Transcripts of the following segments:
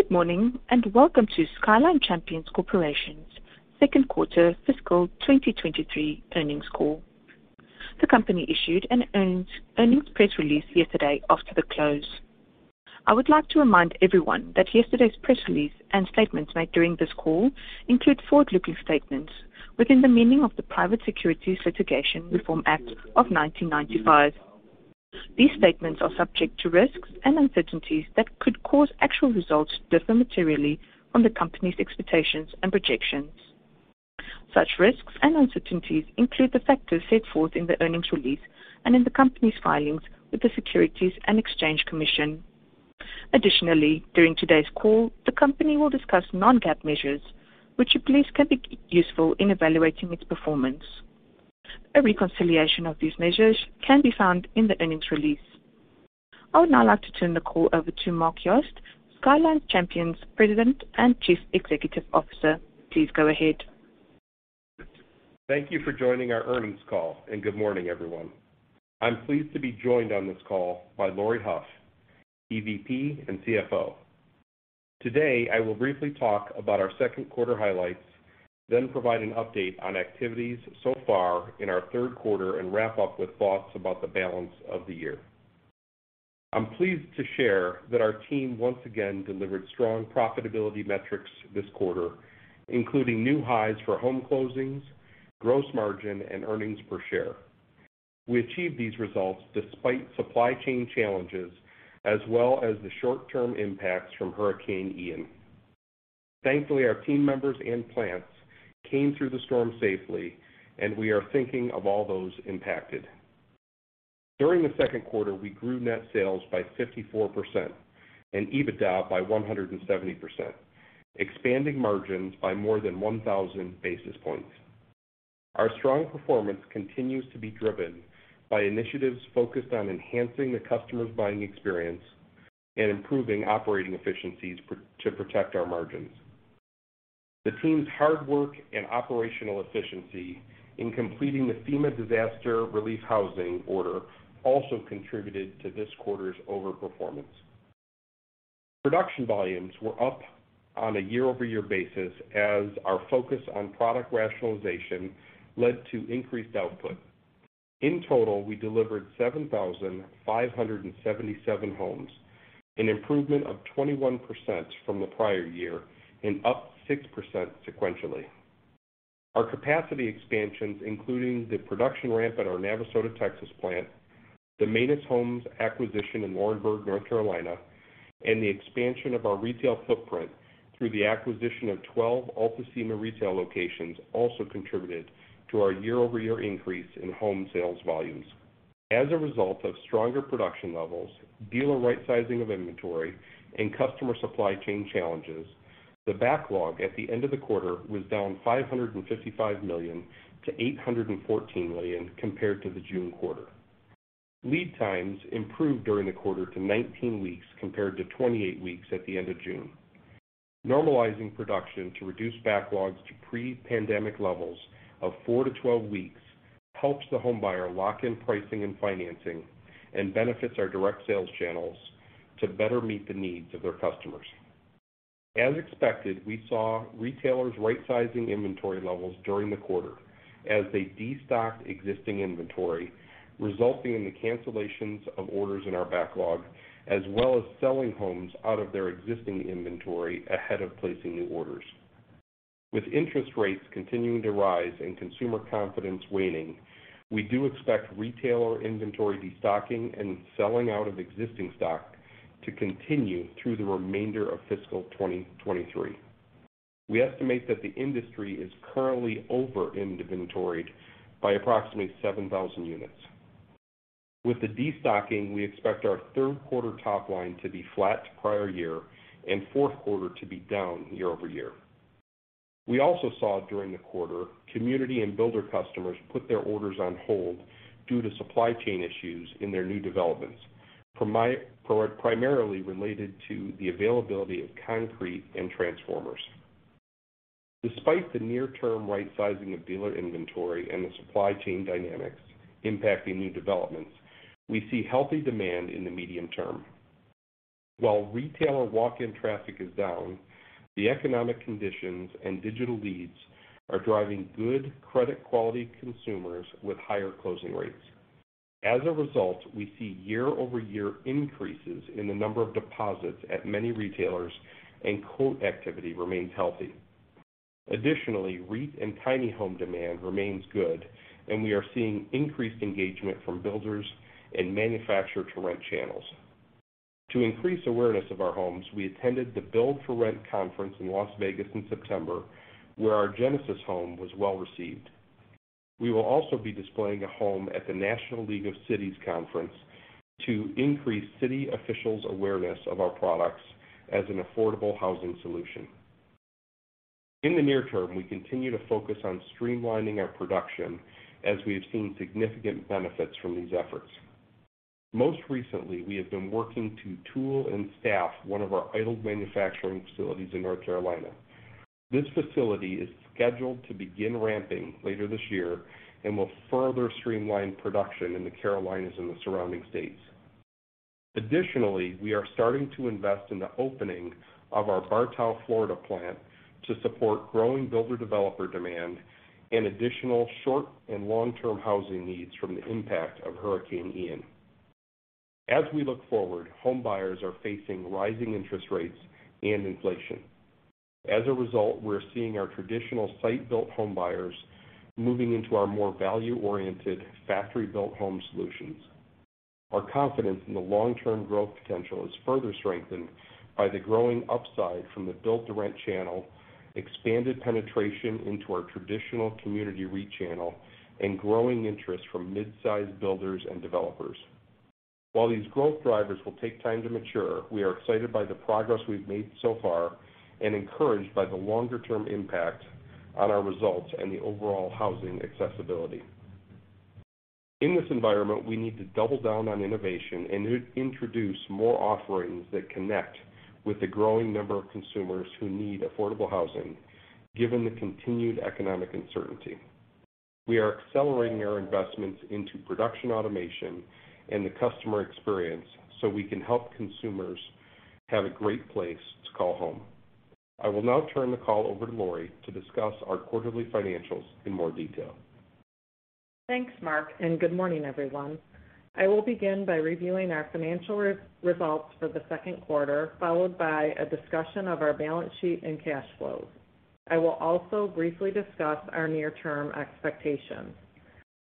Good morning, and welcome to Skyline Champion Corporation's Second Quarter Fiscal 2023 Earnings Call. The company issued an earnings press release yesterday after the close. I would like to remind everyone that yesterday's press release and statements made during this call include forward-looking statements within the meaning of the Private Securities Litigation Reform Act of 1995. These statements are subject to risks and uncertainties that could cause actual results to differ materially from the company's expectations and projections. Such risks and uncertainties include the factors set forth in the earnings release and in the company's filings with the Securities and Exchange Commission. Additionally, during today's call, the company will discuss non-GAAP measures, which, of course, can be useful in evaluating its performance. A reconciliation of these measures can be found in the earnings release. I would now like to turn the call over to Mark Yost, President and Chief Executive Officer, Skyline Champion. Please go ahead. Thank you for joining our earnings call, and good morning, everyone. I'm pleased to be joined on this call by Laurie Hough, EVP and CFO. Today, I will briefly talk about our second quarter highlights, then provide an update on activities so far in our third quarter and wrap up with thoughts about the balance of the year. I'm pleased to share that our team once again delivered strong profitability metrics this quarter, including new highs for home closings, gross margin, and earnings per share. We achieved these results despite supply chain challenges as well as the short-term impacts from Hurricane Ian. Thankfully, our team members and plants came through the storm safely, and we are thinking of all those impacted. During the second quarter, we grew net sales by 54% and EBITDA by 170%, expanding margins by more than 1000 basis points. Our strong performance continues to be driven by initiatives focused on enhancing the customer's buying experience and improving operating efficiencies to protect our margins. The team's hard work and operational efficiency in completing the FEMA Disaster Relief Housing order also contributed to this quarter's overperformance. Production volumes were up on a year-over-year basis as our focus on product rationalization led to increased output. In total, we delivered 7,577 homes, an improvement of 21% from the prior year and up 6% sequentially. Our capacity expansions, including the production ramp at our Navasota, Texas plant, the Manis Homes acquisition in Laurinburg, North Carolina, and the expansion of our retail footprint through the acquisition of 12 Ultima retail locations, also contributed to our year-over-year increase in home sales volumes. As a result of stronger production levels, dealer rightsizing of inventory, and customer supply chain challenges, the backlog at the end of the quarter was down $555 million to $814 million compared to the June quarter. Lead times improved during the quarter to 19 weeks compared to 28 weeks at the end of June. Normalizing production to reduce backlogs to pre-pandemic levels of 4-12 weeks helps the homebuyer lock in pricing and financing and benefits our direct sales channels to better meet the needs of their customers. As expected, we saw retailers rightsizing inventory levels during the quarter as they destocked existing inventory, resulting in the cancellations of orders in our backlog, as well as selling homes out of their existing inventory ahead of placing new orders. With interest rates continuing to rise and consumer confidence waning, we do expect retailer inventory destocking and selling out of existing stock to continue through the remainder of fiscal 2023. We estimate that the industry is currently over-inventoried by approximately 7,000 units. With the destocking, we expect our third quarter top line to be flat to prior year and fourth quarter to be down year over year. We also saw during the quarter, community and builder customers put their orders on hold due to supply chain issues in their new developments primarily related to the availability of concrete and transformers. Despite the near-term rightsizing of dealer inventory and the supply chain dynamics impacting new developments, we see healthy demand in the medium term. While retailer walk-in traffic is down, the economic conditions and digital leads are driving good credit quality consumers with higher closing rates. As a result, we see year-over-year increases in the number of deposits at many retailers, and quote activity remains healthy. Additionally, REIT and tiny home demand remains good, and we are seeing increased engagement from builders and build-to-rent channels. To increase awareness of our homes, we attended the Build-for-Rent conference in Las Vegas in September, where our Genesis home was well received. We will also be displaying a home at the National League of Cities Conference to increase city officials' awareness of our products as an affordable housing solution. In the near term, we continue to focus on streamlining our production as we have seen significant benefits from these efforts. Most recently, we have been working to tool and staff one of our idled manufacturing facilities in North Carolina. This facility is scheduled to begin ramping later this year and will further streamline production in the Carolinas and the surrounding states. Additionally, we are starting to invest in the opening of our Bartow, Florida plant to support growing builder developer demand and additional short and long-term housing needs from the impact of Hurricane Ian. As we look forward, home buyers are facing rising interest rates and inflation. As a result, we're seeing our traditional site-built home buyers moving into our more value-oriented factory-built home solutions. Our confidence in the long-term growth potential is further strengthened by the growing upside from the build-to-rent channel, expanded penetration into our traditional community reach channel, and growing interest from mid-size builders and developers. While these growth drivers will take time to mature, we are excited by the progress we've made so far and encouraged by the longer-term impact on our results and the overall housing accessibility. In this environment, we need to double down on innovation and introduce more offerings that connect with the growing number of consumers who need affordable housing, given the continued economic uncertainty. We are accelerating our investments into production automation and the customer experience so we can help consumers have a great place to call home. I will now turn the call over to Laurie Hough to discuss our quarterly financials in more detail. Thanks, Mark, and good morning, everyone. I will begin by reviewing our financial results for the second quarter, followed by a discussion of our balance sheet and cash flows. I will also briefly discuss our near-term expectations.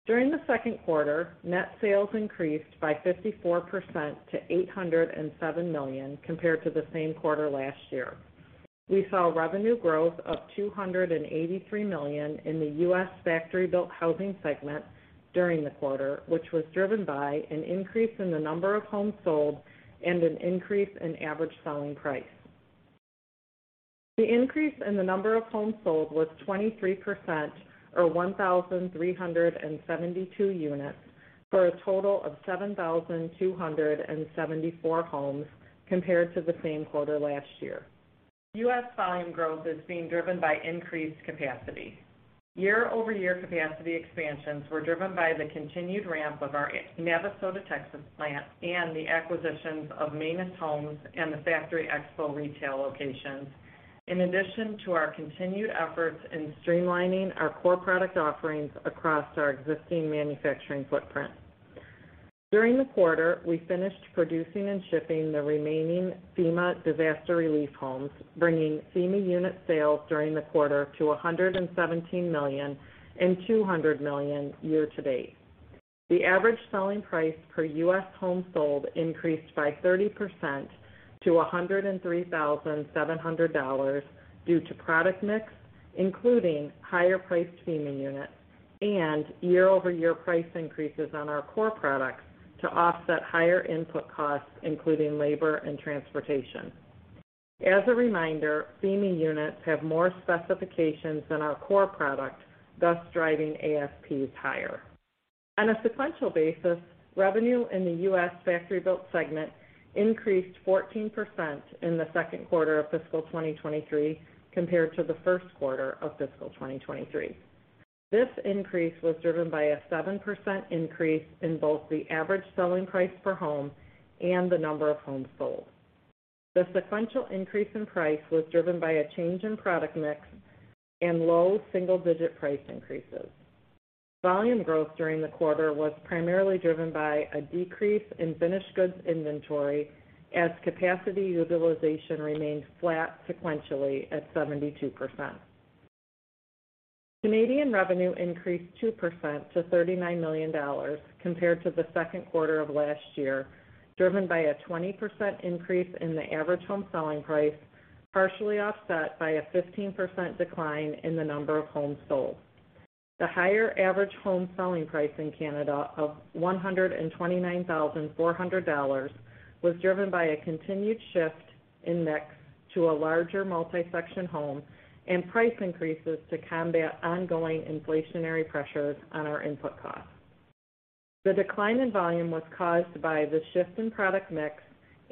During the second quarter, net sales increased by 54% to $807 million compared to the same quarter last year. We saw revenue growth of $283 million in the US factory-built housing segment during the quarter, which was driven by an increase in the number of homes sold and an increase in average selling price. The increase in the number of homes sold was 23%, or 1,372 units, for a total of 7,274 homes compared to the same quarter last year. US volume growth is being driven by increased capacity. Year-over-year capacity expansions were driven by the continued ramp of our Navasota, Texas plant and the acquisitions of Manis Custom Builders and the Factory Expo Home Centers, in addition to our continued efforts in streamlining our core product offerings across our existing manufacturing footprint. During the quarter, we finished producing and shipping the remaining FEMA disaster relief homes, bringing FEMA unit sales during the quarter to 117 million and 200 million year-to-date. The average selling price per US home sold increased by 30% to $103,700 due to product mix, including higher-priced FEMA units and year-over-year price increases on our core products to offset higher input costs, including labor and transportation. As a reminder, FEMA units have more specifications than our core product, thus driving ASPs higher. On a sequential basis, revenue in the US factory-built segment increased 14% in the second quarter of fiscal 2023 compared to the first quarter of fiscal 2023. This increase was driven by a 7% increase in both the average selling price per home and the number of homes sold. The sequential increase in price was driven by a change in product mix and low single-digit price increases. Volume growth during the quarter was primarily driven by a decrease in finished goods inventory as capacity utilization remained flat sequentially at 72%. Canadian revenue increased 2% to $39 million compared to the second quarter of last year, driven by a 20% increase in the average home selling price, partially offset by a 15% decline in the number of homes sold. The higher average home selling price in Canada of $129,400 was driven by a continued shift in mix to a larger multi-section home and price increases to combat ongoing inflationary pressures on our input costs. The decline in volume was caused by the shift in product mix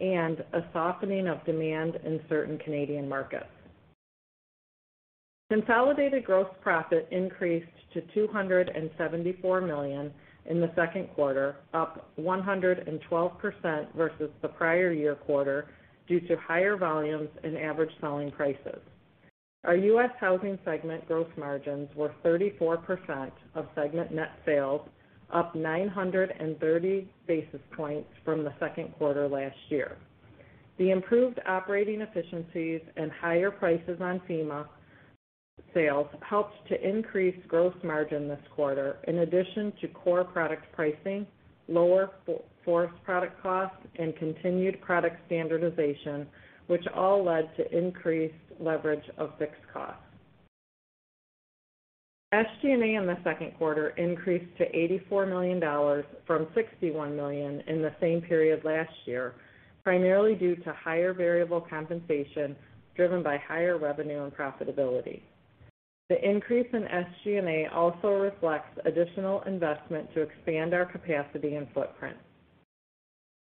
and a softening of demand in certain Canadian markets. Consolidated gross profit increased to $274 million in the second quarter, up 112% versus the prior year quarter due to higher volumes and average selling prices. Our US housing segment gross margins were 34% of segment net sales, up 930 basis points from the second quarter last year. The improved operating efficiencies and higher prices on FEMA sales helped to increase gross margin this quarter, in addition to core product pricing, lower forest product costs, and continued product standardization, which all led to increased leverage of fixed costs. SG&A in the second quarter increased to $84 million from $61 million in the same period last year, primarily due to higher variable compensation driven by higher revenue and profitability. The increase in SG&A also reflects additional investment to expand our capacity and footprint.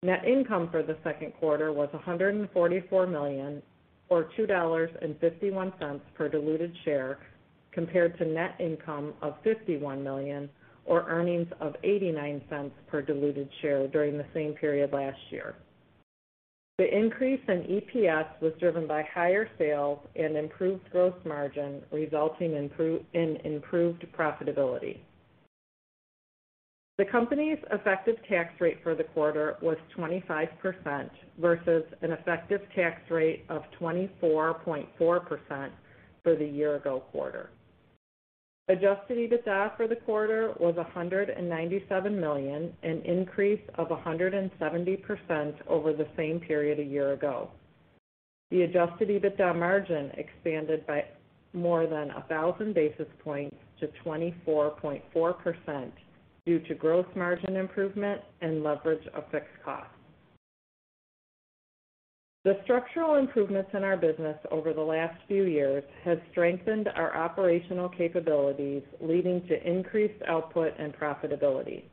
Net income for the second quarter was $144 million, or $2.51 per diluted share, compared to net income of $51 million, or earnings of $0.89 per diluted share during the same period last year. The increase in EPS was driven by higher sales and improved gross margin, resulting in improved profitability. The company's effective tax rate for the quarter was 25% versus an effective tax rate of 24.4% for the year-ago quarter. Adjusted EBITDA for the quarter was $197 million, an increase of 170% over the same period a year ago. The adjusted EBITDA margin expanded by more than 1,000 basis points to 24.4% due to gross margin improvement and leverage of fixed costs. The structural improvements in our business over the last few years has strengthened our operational capabilities, leading to increased output and profitability.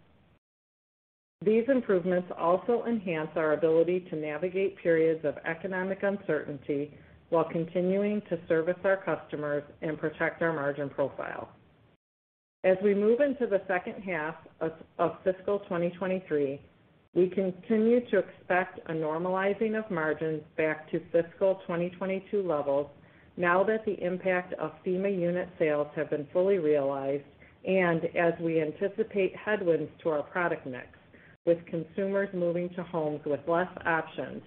These improvements also enhance our ability to navigate periods of economic uncertainty while continuing to service our customers and protect our margin profile. As we move into the second half of fiscal 2023, we continue to expect a normalizing of margins back to fiscal 2022 levels now that the impact of FEMA unit sales have been fully realized, and as we anticipate headwinds to our product mix, with consumers moving to homes with less options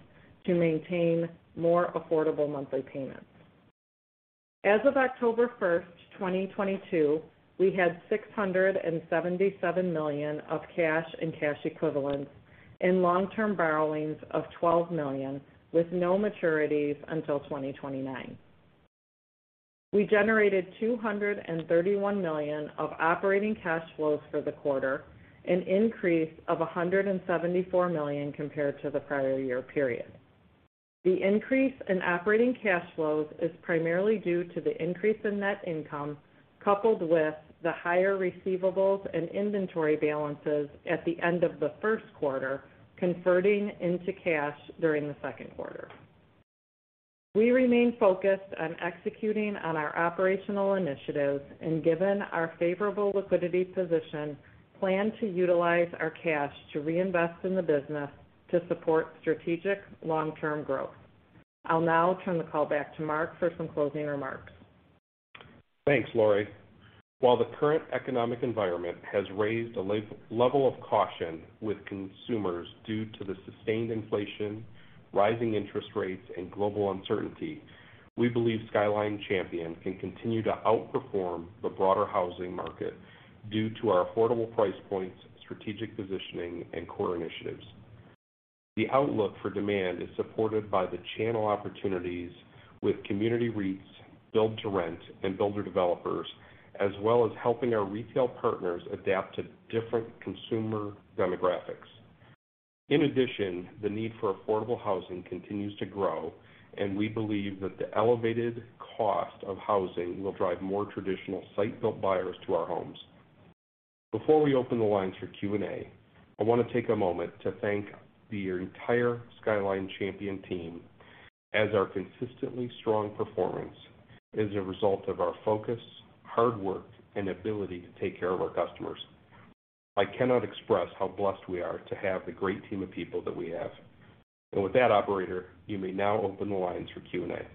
to maintain more affordable monthly payments. As of October 1st, 2022, we had $677 million of cash and cash equivalents and long-term borrowings of $12 million with no maturities until 2029. We generated $231 million of operating cash flows for the quarter, an increase of $174 million compared to the prior year period. The increase in operating cash flows is primarily due to the increase in net income, coupled with the higher receivables and inventory balances at the end of the first quarter, converting into cash during the second quarter. We remain focused on executing on our operational initiatives, and given our favorable liquidity position, plan to utilize our cash to reinvest in the business to support strategic long-term growth. I'll now turn the call back to Mark for some closing remarks. Thanks, Laurie. While the current economic environment has raised a level of caution with consumers due to the sustained inflation, rising interest rates, and global uncertainty, we believe Skyline Champion can continue to outperform the broader housing market due to our affordable price points, strategic positioning, and core initiatives. The outlook for demand is supported by the channel opportunities with community REITs, build-to-rent, and builder-developers, as well as helping our retail partners adapt to different consumer demographics. In addition, the need for affordable housing continues to grow, and we believe that the elevated cost of housing will drive more traditional site-built buyers to our homes. Before we open the lines for Q&A, I wanna take a moment to thank the entire Skyline Champion team, as our consistently strong performance is a result of our focus, hard work, and ability to take care of our customers. I cannot express how blessed we are to have the great team of people that we have. With that operator, you may now open the lines for Q&A. Thank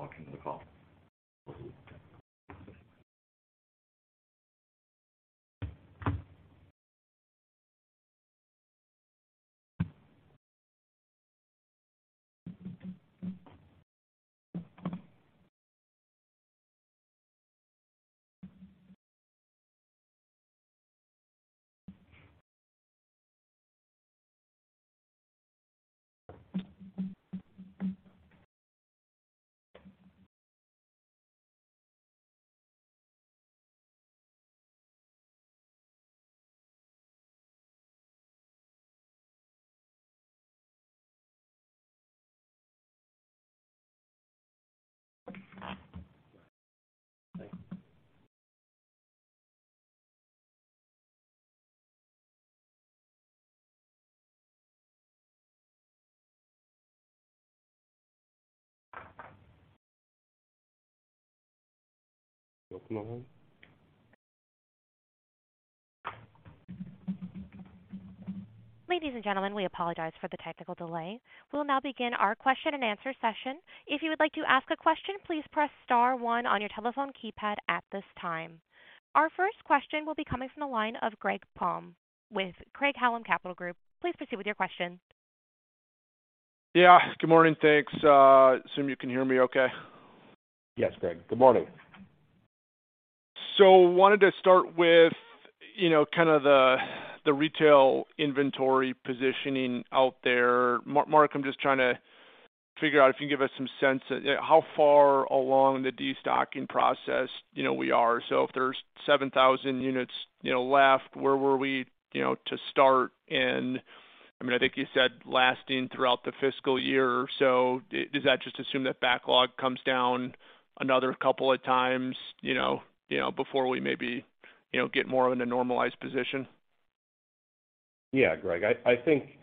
you. Walking the call. Ladies and gentlemen, we apologize for the technical delay. We'll now begin our question and answer session. If you would like to ask a question, please press star one on your telephone keypad at this time. Our first question will be coming from the line of Greg Palm with Craig-Hallum Capital Group. Please proceed with your question. Yeah, good morning. Thanks. Assume you can hear me okay. Yes, Greg. Good morning. Wanted to start with, you know, kind of the retail inventory positioning out there. Mark, I'm just trying to figure out if you can give us some sense how far along the destocking process, you know, we are. If there's 7,000 units, you know, left, where were we, you know, to start? I mean, I think you said lasting throughout the fiscal year. Does that just assume that backlog comes down another couple of times, you know, before we maybe, you know, get more in a normalized position? Yeah, Greg. I think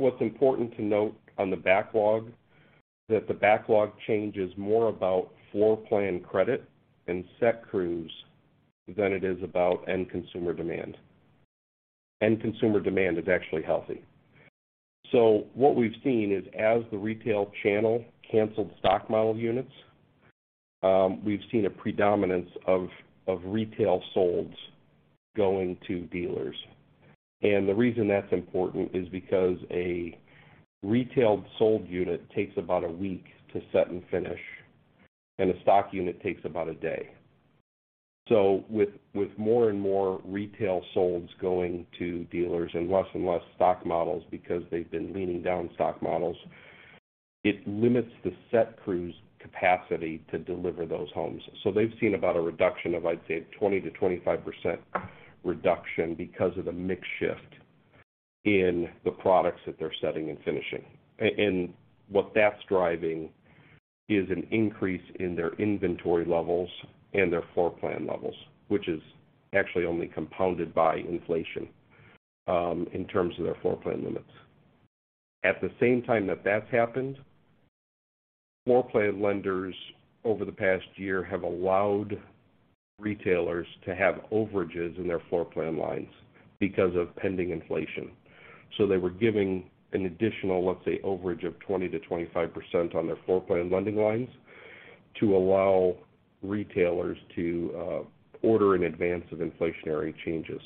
what's important to note on the backlog, that the backlog change is more about floor plan credit and set crews than it is about end consumer demand. End consumer demand is actually healthy. What we've seen is as the retail channel canceled stock model units, we've seen a predominance of retail solds going to dealers. The reason that's important is because a retail sold unit takes about a week to set and finish, and a stock unit takes about a day. With more and more retail solds going to dealers and less and less stock models because they've been leaning down stock models, it limits the set crews' capacity to deliver those homes. They've seen about a reduction of, I'd say, 20%-25% reduction because of the mix shift in the products that they're setting and finishing. What that's driving is an increase in their inventory levels and their floor plan levels, which is actually only compounded by inflation in terms of their floor plan limits. At the same time that that's happened, floor plan lenders over the past year have allowed retailers to have overages in their floor plan lines because of pending inflation. They were giving an additional, let's say, overage of 20%-25% on their floor plan lending lines to allow retailers to order in advance of inflationary changes.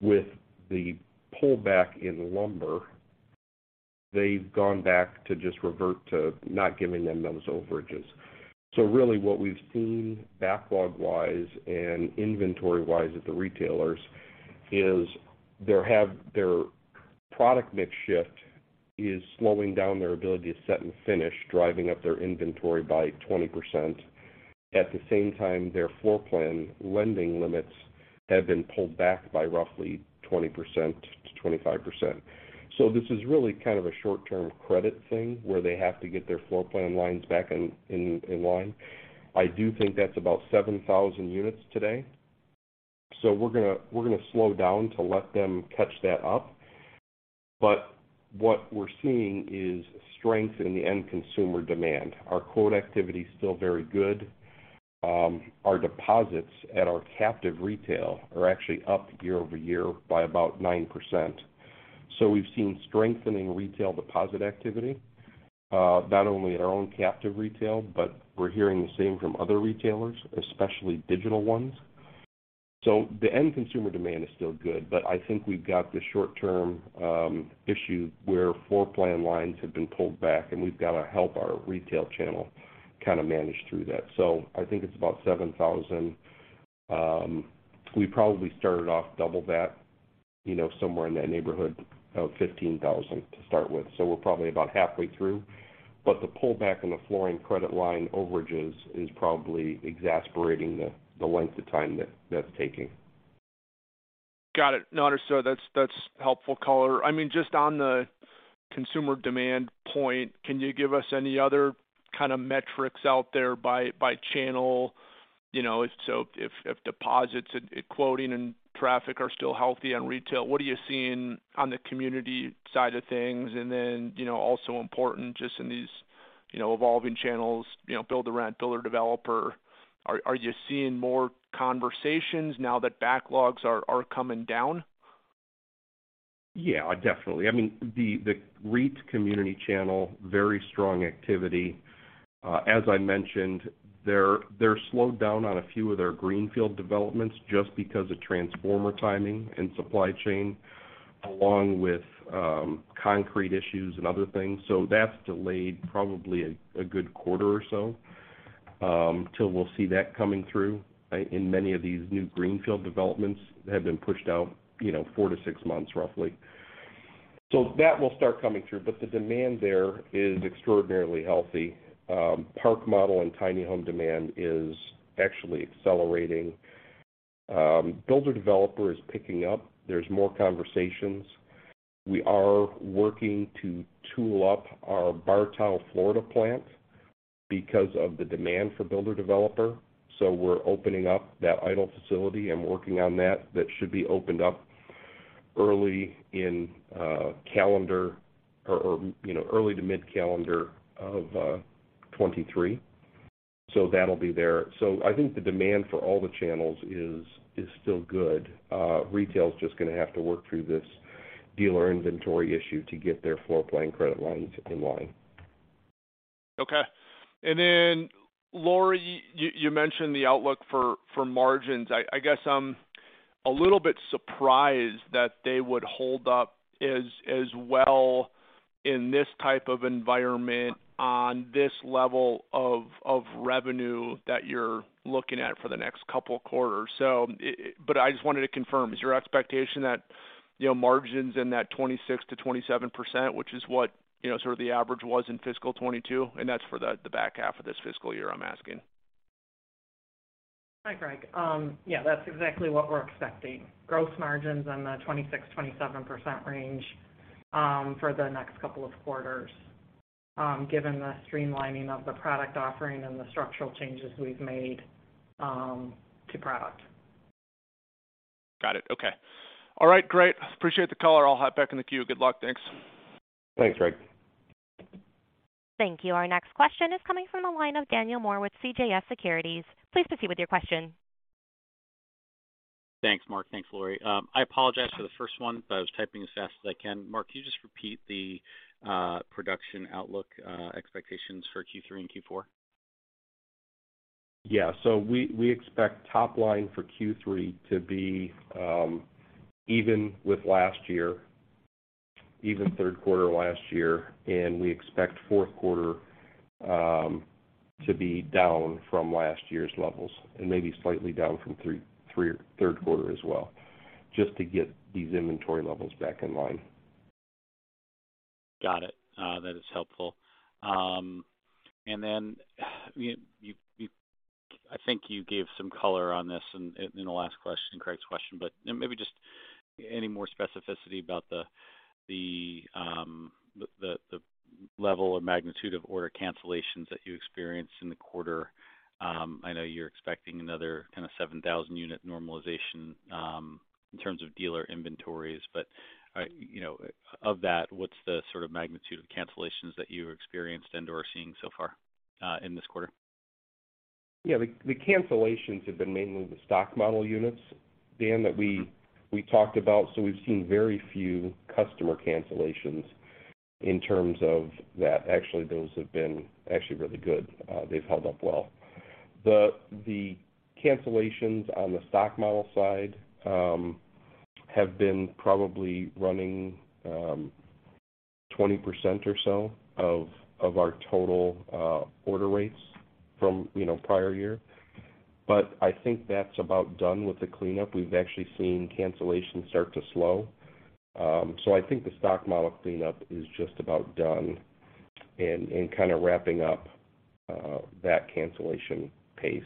With the pullback in lumber, they've gone back to just revert to not giving them those overages. Really what we've seen backlog-wise and inventory-wise at the retailers is they have their product mix shift is slowing down their ability to set and finish, driving up their inventory by 20%. At the same time, their floor plan lending limits have been pulled back by roughly 20%-25%. This is really kind of a short-term credit thing where they have to get their floor plan lines back in line. I do think that's about 7,000 units today. We're gonna slow down to let them catch that up. What we're seeing is strength in the end consumer demand. Our quote activity is still very good. Our deposits at our captive retail are actually up year-over-year by about 9%. We've seen strengthening retail deposit activity, not only at our own captive retail, but we're hearing the same from other retailers, especially digital ones. The end consumer demand is still good, but I think we've got this short-term issue where floor plan lines have been pulled back, and we've got to help our retail channel kind of manage through that. I think it's about 7,000. We probably started off double that, you know, somewhere in that neighborhood of 15,000 to start with. We're probably about halfway through. The pullback in the flooring credit line overages is probably exasperating the length of time that that's taking. Got it. That's helpful color. I mean, just on the consumer demand point, can you give us any other kind of metrics out there by channel? You know, if deposits and quoting and traffic are still healthy on retail, what are you seeing on the community side of things? You know, also important just in these, you know, evolving channels, you know, build-to-rent, builder-developer, are you seeing more conversations now that backlogs are coming down? Yeah, definitely. I mean, the REIT community channel, very strong activity. As I mentioned, they're slowed down on a few of their greenfield developments just because of transformer timing and supply chain, along with concrete issues and other things. So that's delayed probably a good quarter or so till we'll see that coming through in many of these new greenfield developments have been pushed out, you know, 4-6 months roughly. So that will start coming through, but the demand there is extraordinarily healthy. Park model and tiny home demand is actually accelerating. Builder-developer is picking up. There's more conversations. We are working to tool up our Bartow, Florida plant because of the demand for builder-developer. So we're opening up that idle facility and working on that. That should be opened up early to mid calendar of 2023. That'll be there. I think the demand for all the channels is still good. Retail is just gonna have to work through this dealer inventory issue to get their floorplan credit lines in line. Okay. Laurie, you mentioned the outlook for margins. I guess I'm a little bit surprised that they would hold up as well in this type of environment on this level of revenue that you're looking at for the next couple of quarters. But I just wanted to confirm, is your expectation that, you know, margins in that 26%-27%, which is what, you know, sort of the average was in fiscal 2022, and that's for the back half of this fiscal year, I'm asking? Hi, Greg. Yeah, that's exactly what we're expecting. Gross margins in the 26%-27% range for the next couple of quarters, given the streamlining of the product offering and the structural changes we've made to product. Got it. Okay. All right, great. Appreciate the color. I'll hop back in the queue. Good luck. Thanks. Thanks, Greg. Thank you. Our next question is coming from the line of Daniel Moore with CJS Securities. Please proceed with your question. Thanks, Mark. Thanks, Laurie. I apologize for the first one, but I was typing as fast as I can. Mark, can you just repeat the production outlook expectations for Q3 and Q4? We expect top line for Q3 to be even with last year, even third quarter last year, and we expect fourth quarter to be down from last year's levels and maybe slightly down from third quarter as well, just to get these inventory levels back in line. Got it. That is helpful. I think you gave some color on this in the last question, Craig-Hallum's question, but maybe just any more specificity about the level of magnitude of order cancellations that you experienced in the quarter. I know you're expecting another kind of 7,000 unit normalization in terms of dealer inventories. You know, of that, what's the sort of magnitude of cancellations that you experienced and/or seeing so far in this quarter? Yeah, the cancellations have been mainly the stock model units, Dan, that we talked about. We've seen very few customer cancellations in terms of that. Actually, those have been actually really good. They've held up well. The cancellations on the stock model side have been probably running 20% or so of our total order rates from, you know, prior year. I think that's about done with the cleanup. We've actually seen cancellations start to slow. I think the stock model cleanup is just about done and kind of wrapping up that cancellation pace.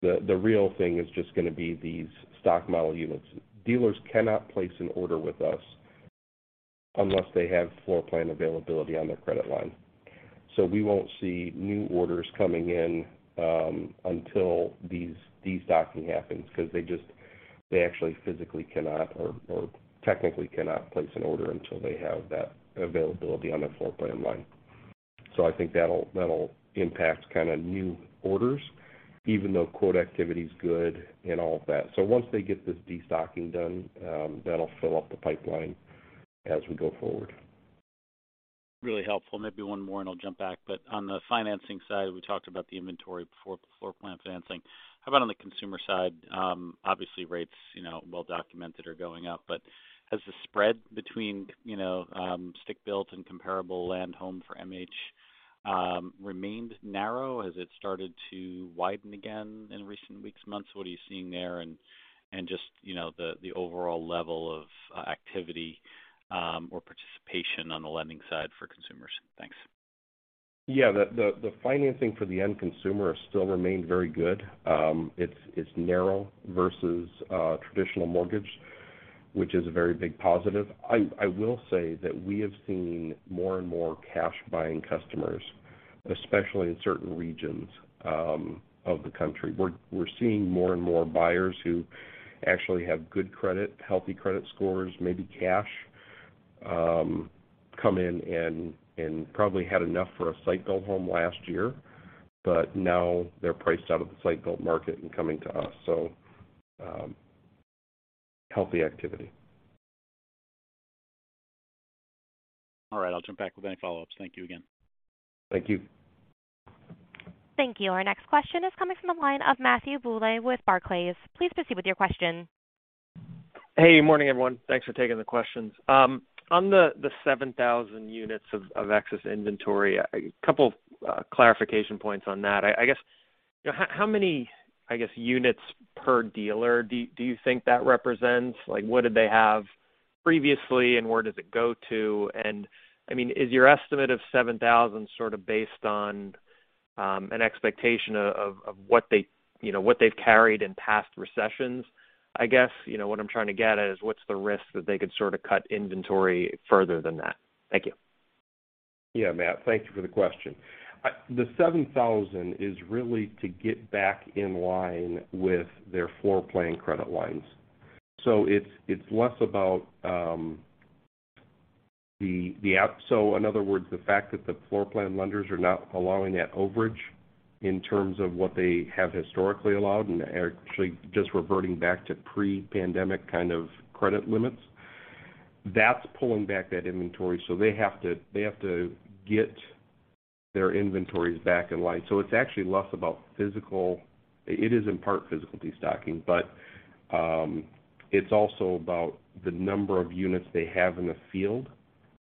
The real thing is just gonna be these stock model units. Dealers cannot place an order with us unless they have floorplan availability on their credit line. We won't see new orders coming in until these destocking happens because they actually physically cannot or technically cannot place an order until they have that availability on their floorplan line. I think that'll impact kind of new orders, even though quote activity is good and all of that. Once they get this destocking done, that'll fill up the pipeline as we go forward. Really helpful. Maybe one more, and I'll jump back. On the financing side, we talked about the inventory for floorplan financing. How about on the consumer side? Obviously rates, you know, well documented are going up. Has the spread between, you know, stick built and comparable land home for MH, remained narrow? Has it started to widen again in recent weeks, months? What are you seeing there? Just, you know, the overall level of activity or participation on the lending side for consumers. Thanks. Yeah. The financing for the end consumer has still remained very good. It's narrow versus traditional mortgage, which is a very big positive. I will say that we have seen more and more cash buying customers, especially in certain regions of the country. We're seeing more and more buyers who actually have good credit, healthy credit scores, maybe cash come in and probably had enough for a site-built home last year, but now they're priced out of the site-built market and coming to us. Healthy activity. All right. I'll jump back with any follow-ups. Thank you again. Thank you. Thank you. Our next question is coming from the line of Matthew Bouley with Barclays. Please proceed with your question. Hey, good morning, everyone. Thanks for taking the questions. On the 7,000 units of excess inventory, a couple clarification points on that. I guess how many I guess units per dealer do you think that represents? Like, what did they have previously, and where does it go to? I mean, is your estimate of 7,000 sort of based on an expectation of what they, you know, what they've carried in past recessions? I guess, you know, what I'm trying to get at is what's the risk that they could sort of cut inventory further than that? Thank you. Yeah, Matt, thank you for the question. The 7,000 is really to get back in line with their floor plan credit lines. It's less about, so in other words, the fact that the floor plan lenders are not allowing that overage in terms of what they have historically allowed and are actually just reverting back to pre-pandemic kind of credit limits, that's pulling back that inventory. They have to get their inventories back in line. It's actually less about physical. It is in part physical destocking, but it's also about the number of units they have in the field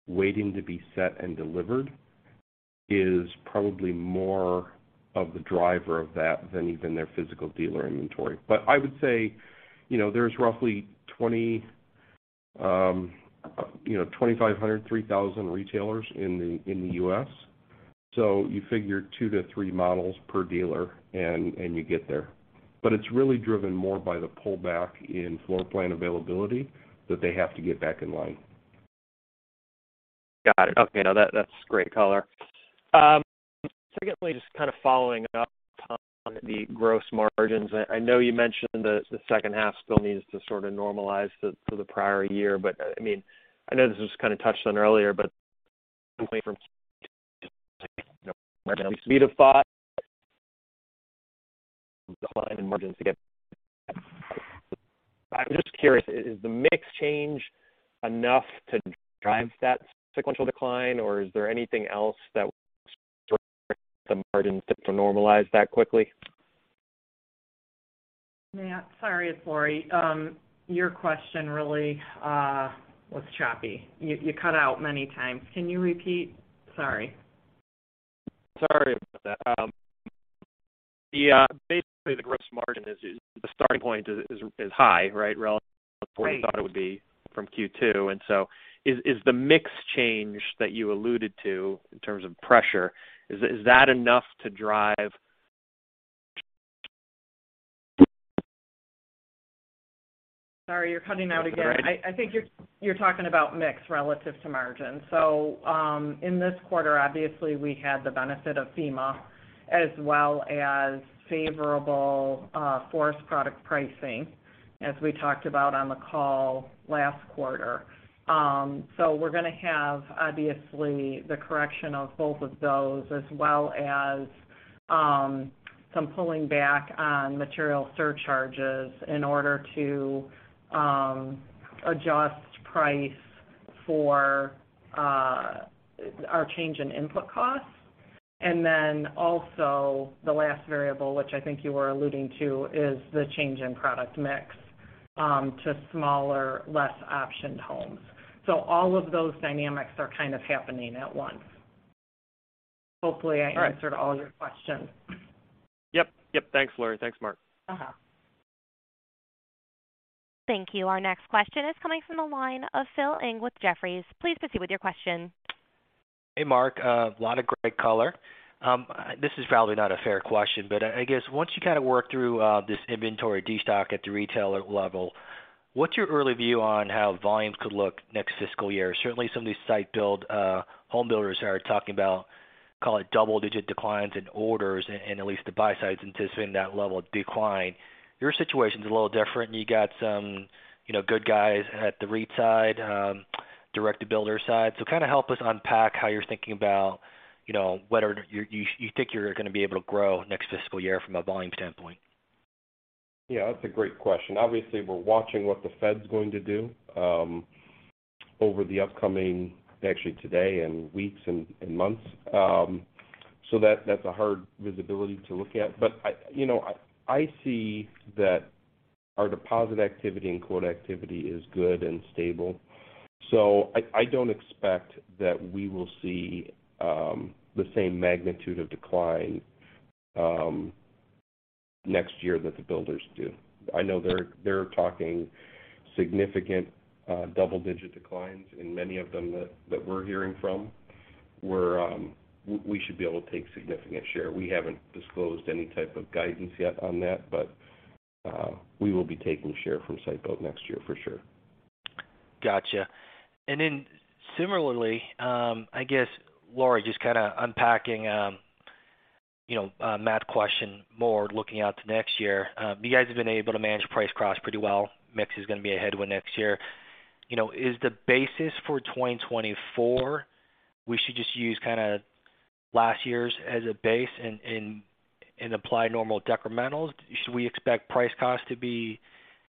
waiting to be set and delivered is probably more of the driver of that than even their physical dealer inventory. I would say, you know, there's roughly 2,500-3,000 retailers in the US So you figure 2-3 models per dealer and you get there. It's really driven more by the pullback in floor plan availability that they have to get back in line. Got it. Okay. No, that's great color. Secondly, just kind of following up on the gross margins. I know you mentioned the second half still needs to sort of normalize to the prior year. I mean, I know this was kind of touched on earlier, but from a gross margin standpoint again. I'm just curious, is the mix change enough to drive that sequential decline, or is there anything else that's causing the margins to normalize that quickly? Matthew, sorry, it's Laurie. Your question really was choppy. You cut out many times. Can you repeat? Sorry. Sorry about that. Basically the gross margin is the starting point is high, right, relative- Right... to what we thought it would be from Q2. Is the mix change that you alluded to in terms of pressure, is that enough to drive? Sorry, you're cutting out again. That's all right. I think you're talking about mix relative to margin. In this quarter, obviously we had the benefit of FEMA as well as favorable forest product pricing, as we talked about on the call last quarter. We're gonna have obviously the correction of both of those as well as some pulling back on material surcharges in order to adjust price for our change in input costs. Then also the last variable, which I think you were alluding to, is the change in product mix to smaller, less optioned homes. All of those dynamics are kind of happening at once. Hopefully I answered all of your questions. Yep. Yep. Thanks, Laurie. Thanks, Mark. Thank you. Our next question is coming from the line of Philip Ng with Jefferies. Please proceed with your question. Hey, Mark. A lot of great color. This is probably not a fair question, but I guess once you kind of work through this inventory destock at the retailer level, what's your early view on how volumes could look next fiscal year? Certainly some of these site build home builders are talking about, call it double-digit declines in orders and at least the buy side is anticipating that level of decline. Your situation's a little different. You got some, you know, good guys at the REIT side, direct-to-builder side. So kind of help us unpack how you're thinking about, you know, whether you think you're gonna be able to grow next fiscal year from a volume standpoint. Yeah, that's a great question. Obviously, we're watching what the Fed's going to do actually today and weeks and months. That's a hard visibility to look at. I you know see that our deposit activity and quote activity is good and stable, so I don't expect that we will see the same magnitude of decline next year that the builders do. I know they're talking significant double-digit declines in many of them that we're hearing from, where we should be able to take significant share. We haven't disclosed any type of guidance yet on that, but we will be taking share from site build next year for sure. Gotcha. Similarly, I guess, Laurie, just kinda unpacking, you know, Matt's question more looking out to next year. You guys have been able to manage price-cost pretty well. Mix is gonna be a headwind next year. You know, is the basis for 2024, we should just use kinda last year's as a base and apply normal decrementals? Should we expect price-cost to be,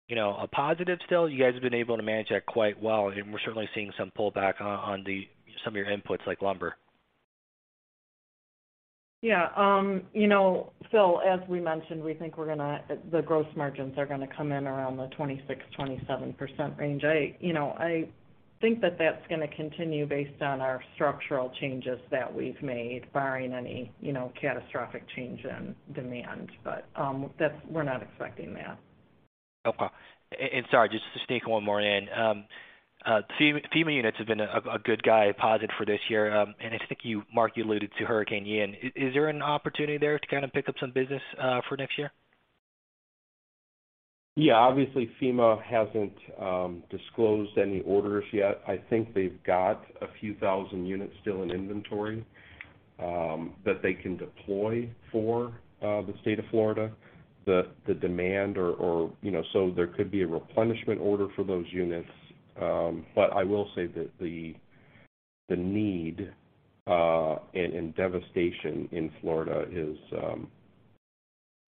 you know, a positive still? You guys have been able to manage that quite well, and we're certainly seeing some pullback on some of your inputs like lumber. You know, Philip Ng, as we mentioned, we think the gross margins are gonna come in around the 26%-27% range. You know, I think that's gonna continue based on our structural changes that we've made, barring any, you know, catastrophic change in demand. We're not expecting that. Okay. Sorry, just to sneak one more in. FEMA units have been a good positive for this year. I think you, Mark, alluded to Hurricane Ian. Is there an opportunity there to kind of pick up some business for next year? Yeah. Obviously, FEMA hasn't disclosed any orders yet. I think they've got a few thousand units still in inventory. That they can deploy for the state of Florida. The demand or, you know, so there could be a replenishment order for those units. I will say that the need and devastation in Florida is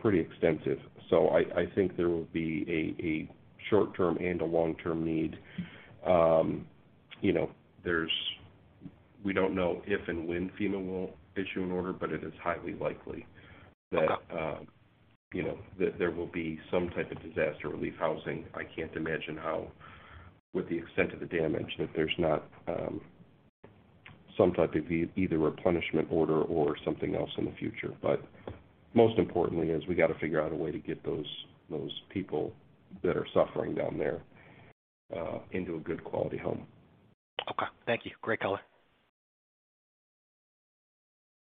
pretty extensive. I think there will be a short-term and a long-term need. You know, we don't know if and when FEMA will issue an order, but it is highly likely that, you know, that there will be some type of disaster relief housing. I can't imagine how with the extent of the damage that there's not some type of either replenishment order or something else in the future. Most importantly is we gotta figure out a way to get those people that are suffering down there into a good quality home. Okay. Thank you. Great color.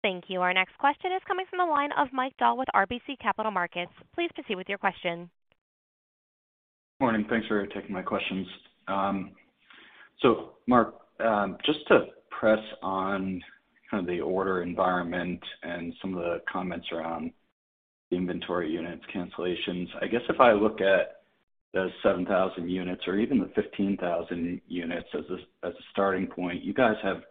Thank you. Our next question is coming from the line of Mike Dahl with RBC Capital Markets. Please proceed with your question. Morning. Thanks for taking my questions. So Mark, just to press on kind of the order environment and some of the comments around the inventory units, cancellations. I guess if I look at the 7,000 units or even the 15,000 units as a starting point, you guys have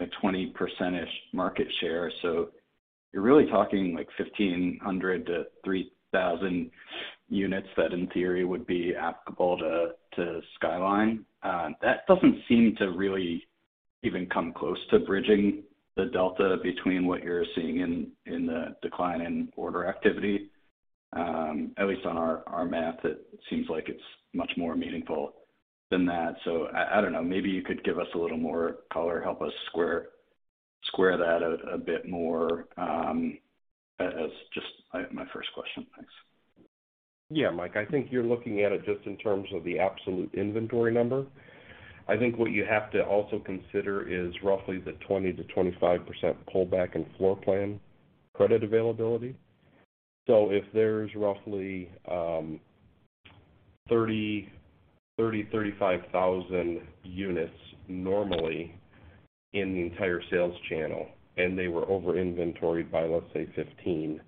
a 20%-ish market share. You're really talking like 1,500-3,000 units that in theory would be applicable to Skyline. That doesn't seem to really even come close to bridging the delta between what you're seeing in the decline in order activity. At least on our math, it seems like it's much more meaningful than that. I don't know. Maybe you could give us a little more color, help us square that out a bit more, as just my first question. Thanks. Yeah, Mike, I think you're looking at it just in terms of the absolute inventory number. I think what you have to also consider is roughly the 20%-25% pullback in floor plan credit availability. If there's roughly 30,000-35,000 units normally in the entire sales channel, and they were over inventoried by, let's say, 15,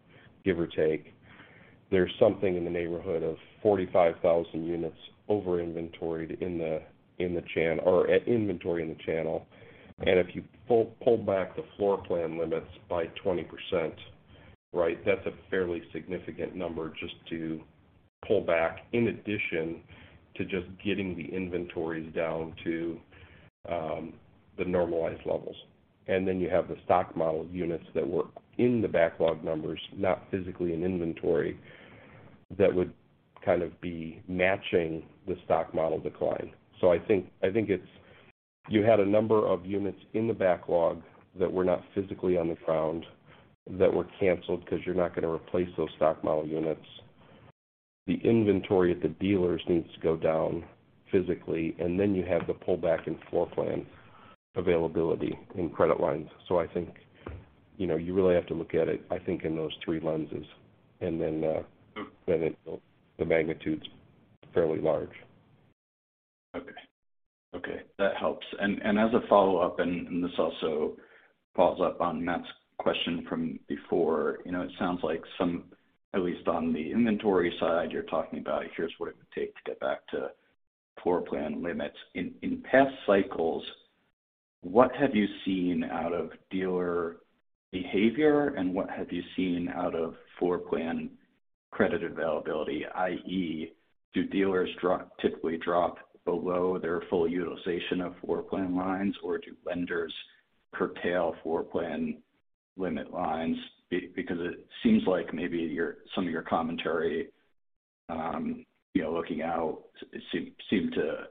give or take, there's something in the neighborhood of 45,000 units over inventoried in the channel. If you pull back the floor plan limits by 20%, right? That's a fairly significant number just to pull back in addition to just getting the inventories down to the normalized levels. Then you have the stock model units that were in the backlog numbers, not physically in inventory, that would kind of be matching the stock model decline. I think it's you had a number of units in the backlog that were not physically on the ground, that were canceled because you're not gonna replace those stock model units. The inventory at the dealers needs to go down physically, and then you have the pullback in floor plan availability and credit lines. I think, you know, you really have to look at it, I think, in those three lenses, and then the magnitude's fairly large. Okay. Okay, that helps. As a follow-up, this also follows up on Matt's question from before. You know, it sounds like some, at least on the inventory side, you're talking about here's what it would take to get back to floor plan limits. In past cycles, what have you seen out of dealer behavior, and what have you seen out of floor plan credit availability? I.e., do dealers typically drop below their full utilization of floor plan lines, or do lenders curtail floor plan limit lines? Because it seems like maybe your, some of your commentary, you know, looking out seem to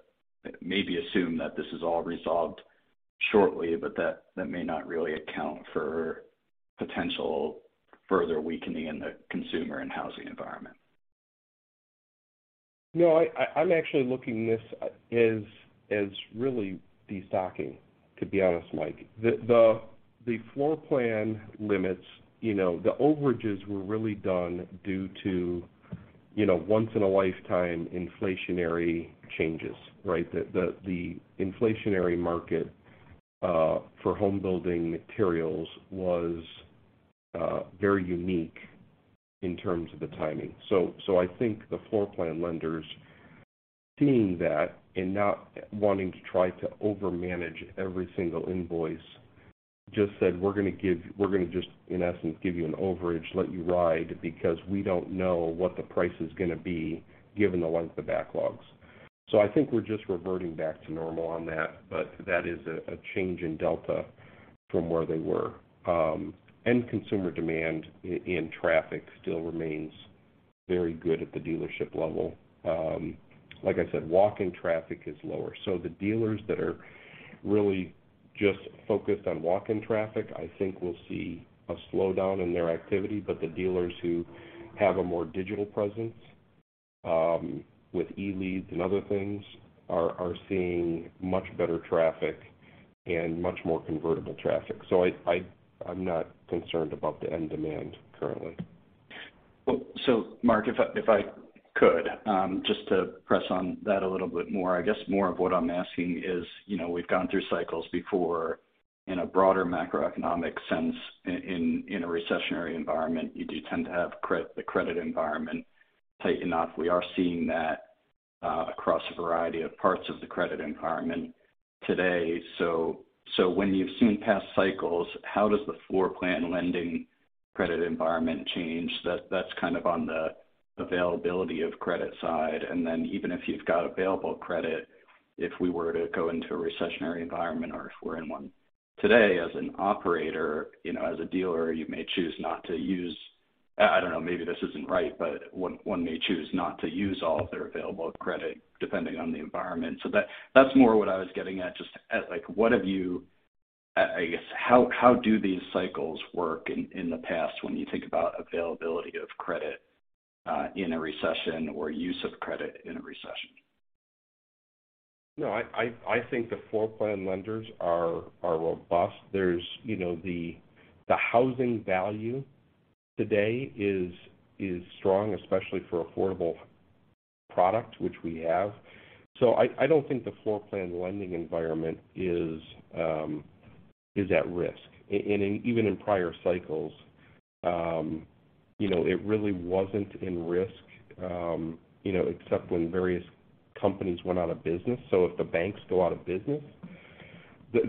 maybe assume that this is all resolved shortly, but that may not really account for potential further weakening in the consumer and housing environment. No, I'm actually looking at this as really destocking, to be honest, Mike. The floor plan limits, you know, the overages were really done due to, you know, once in a lifetime inflationary changes, right? The inflationary market for home building materials was very unique in terms of the timing. I think the floor plan lenders seeing that and not wanting to try to overmanage every single invoice just said, "We're gonna just, in essence, give you an overage, let you ride because we don't know what the price is gonna be given the length of backlogs." I think we're just reverting back to normal on that, but that is a change in delta from where they were. End consumer demand in traffic still remains very good at the dealership level. Like I said, walk-in traffic is lower. The dealers that are really just focused on walk-in traffic, I think will see a slowdown in their activity. The dealers who have a more digital presence, with e-leads and other things are seeing much better traffic and much more convertible traffic. I'm not concerned about the end demand currently. Mark, if I could just to press on that a little bit more, I guess more of what I'm asking is, you know, we've gone through cycles before in a broader macroeconomic sense in a recessionary environment, you do tend to have the credit environment tighten up. We are seeing that across a variety of parts of the credit environment today. When you've seen past cycles, how does the floor plan lending credit environment change? That's kind of on the availability of credit side. Even if you've got available credit, if we were to go into a recessionary environment or if we're in one today as an operator, you know, as a dealer, you may choose not to use. I don't know, maybe this isn't right, but one may choose not to use all of their available credit depending on the environment. That's more what I was getting at, just at like, what have you. I guess, how do these cycles work in the past when you think about availability of credit, in a recession or use of credit in a recession? No, I think the floor plan lenders are robust. There's, you know, the housing value today is strong, especially for affordable product, which we have. I don't think the floor plan lending environment is at risk. Even in prior cycles, you know, it really wasn't at risk, you know, except when various companies went out of business. If the banks go out of business,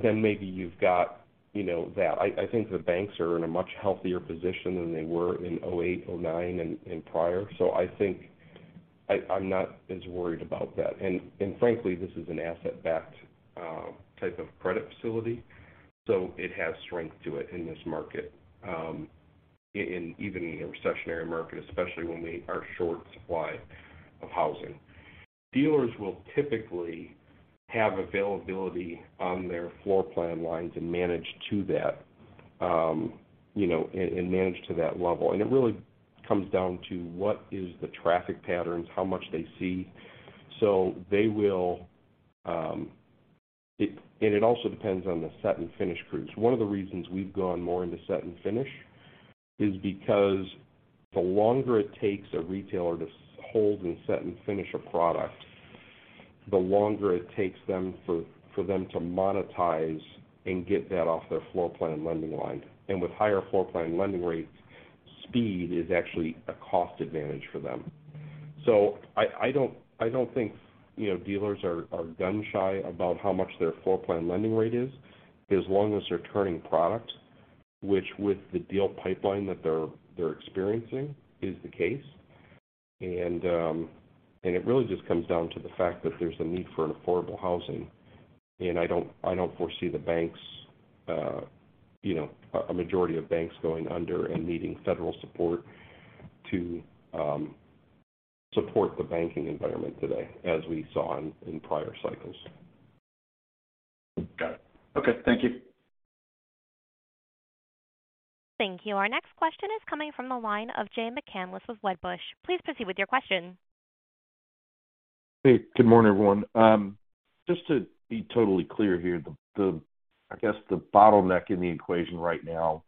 then maybe you've got, you know, that. I think the banks are in a much healthier position than they were in 2008, 2009 and prior. I think I'm not as worried about that. Frankly, this is an asset-backed type of credit facility, so it has strength to it in this market, in even a recessionary market, especially when we are in short supply of housing. Dealers will typically have availability on their floor plan lines and manage to that, you know, and manage to that level. It really comes down to what is the traffic patterns, how much they see. They will. It also depends on the set and finish crews. One of the reasons we've gone more into set and finish is because the longer it takes a retailer to hold and set and finish a product, the longer it takes them for them to monetize and get that off their floor plan lending line. With higher floor plan lending rates, speed is actually a cost advantage for them. I don't think, you know, dealers are gun shy about how much their floor plan lending rate is as long as they're turning product, which with the deal pipeline that they're experiencing is the case. It really just comes down to the fact that there's a need for an affordable housing. I don't foresee the banks, you know, a majority of banks going under and needing federal support to support the banking environment today as we saw in prior cycles. Got it. Okay. Thank you. Thank you. Our next question is coming from the line of Jay McCanless with Wedbush. Please proceed with your question. Hey, good morning, everyone. Just to be totally clear here, the I guess the bottleneck in the equation right now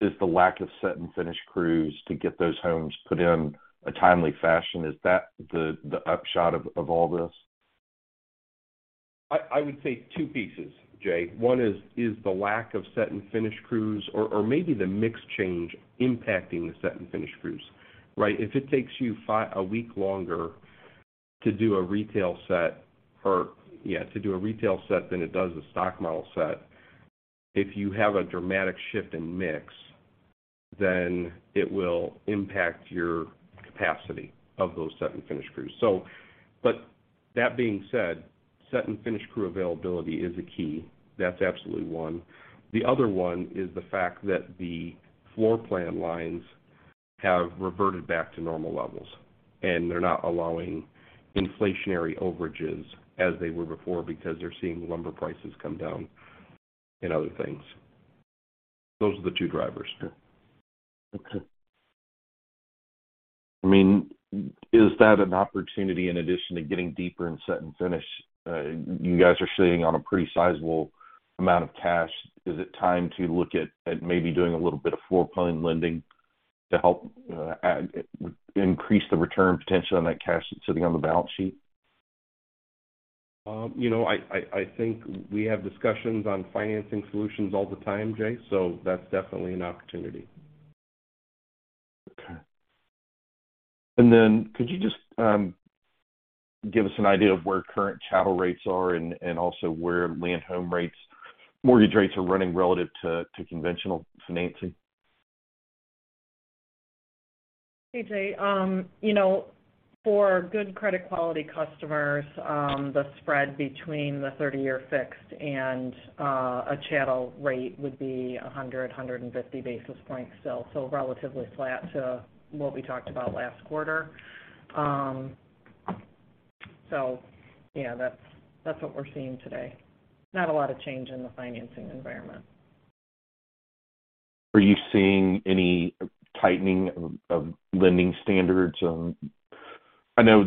is the lack of set and finish crews to get those homes put in a timely fashion. Is that the upshot of all this? I would say two pieces, Jay. One is the lack of set and finish crews or maybe the mix change impacting the set and finish crews, right? If it takes you a week longer to do a retail set than it does a stock model set, if you have a dramatic shift in mix, then it will impact your capacity of those set and finish crews. That being said, set and finish crew availability is a key. That's absolutely one. The other one is the fact that the floor plan lines have reverted back to normal levels, and they're not allowing inflationary overages as they were before because they're seeing lumber prices come down and other things. Those are the two drivers. Okay. I mean, is that an opportunity in addition to getting deeper in set and finish? You guys are sitting on a pretty sizable amount of cash. Is it time to look at maybe doing a little bit of floor plan lending to help increase the return potential on that cash sitting on the balance sheet? You know, I think we have discussions on financing solutions all the time, Jay, so that's definitely an opportunity. Okay. Could you just give us an idea of where current chattel rates are and also where land home rates, mortgage rates are running relative to conventional financing? Hey, Jay. You know, for good credit quality customers, the spread between the 30-year fixed and a chattel rate would be 150 basis points still, so relatively flat to what we talked about last quarter. Yeah, that's what we're seeing today. Not a lot of change in the financing environment. Are you seeing any tightening of lending standards? I know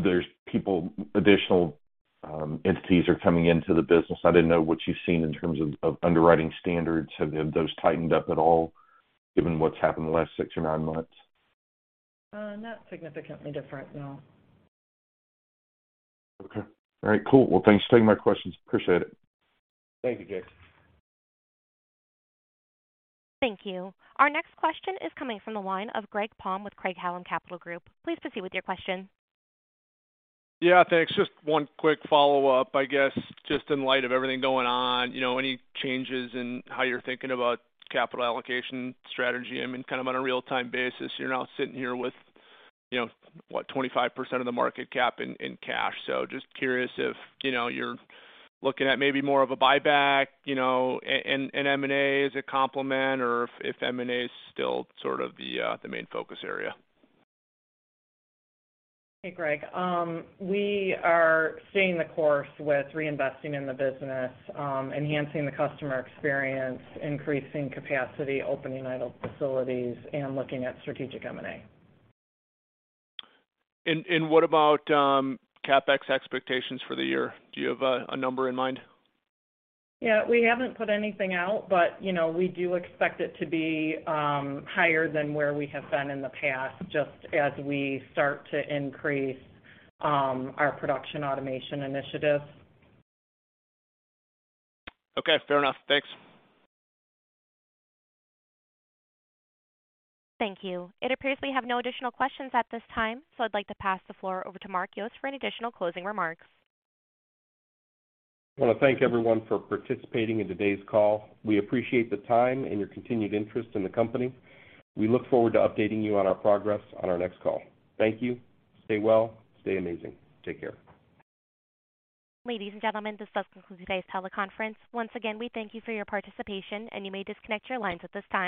additional entities are coming into the business. I don't know what you've seen in terms of underwriting standards. Have those tightened up at all given what's happened in the last six or nine months? Not significantly different, no. Okay. All right, cool. Well, thanks for taking my questions. Appreciate it. Thank you, Jay McCanless. Thank you. Our next question is coming from the line of Greg Palm with Craig-Hallum Capital Group. Please proceed with your question. Yeah, thanks. Just one quick follow-up. I guess, just in light of everything going on, you know, any changes in how you're thinking about capital allocation strategy? I mean, kind of on a real-time basis, you're now sitting here with, you know, what, 25% of the market cap in cash. So just curious if, you know, you're looking at maybe more of a buyback, you know, and M&A as a complement, or if M&A is still sort of the main focus area. Hey, Greg. We are staying the course with reinvesting in the business, enhancing the customer experience, increasing capacity, opening idle facilities, and looking at strategic M&A. What about CapEx expectations for the year? Do you have a number in mind? Yeah, we haven't put anything out, but, you know, we do expect it to be higher than where we have been in the past, just as we start to increase our production automation initiatives. Okay, fair enough. Thanks. Thank you. It appears we have no additional questions at this time, so I'd like to pass the floor over to Mark Yost for any additional closing remarks. I wanna thank everyone for participating in today's call. We appreciate the time and your continued interest in the company. We look forward to updating you on our progress on our next call. Thank you. Stay well, stay amazing. Take care. Ladies and gentlemen, this does conclude today's teleconference. Once again, we thank you for your participation, and you may disconnect your lines at this time.